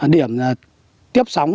điểm tiếp sóng